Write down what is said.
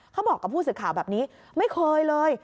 เขาบอกกับผู้สื่อข่าวแบบนี้ไม่เคยเลย